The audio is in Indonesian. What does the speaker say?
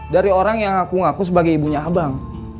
dari orang yang ngaku ngaku sebagai ibunya abang